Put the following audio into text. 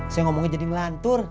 saya ngomongnya jadi ngelantur